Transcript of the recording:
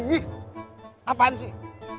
ih apaan sih